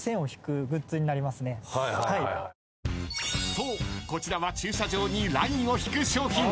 ［そうこちらは駐車場にラインを引く商品］